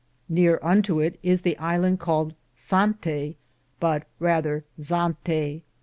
Neare unto it is the iland caled Sante, but rether Zante.